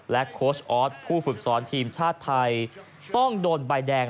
โค้ชออสผู้ฝึกสอนทีมชาติไทยต้องโดนใบแดง